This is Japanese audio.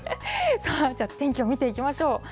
じゃあ天気を見ていきましょう。